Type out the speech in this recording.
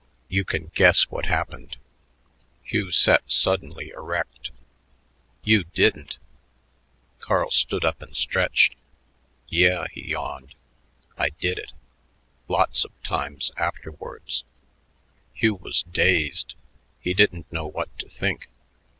You can guess what happened." Hugh sat suddenly erect. "You didn't " Carl stood up and stretched. "Yeah," he yawned, "I did it. Lots of times afterwards." Hugh was dazed. He didn't know what to think.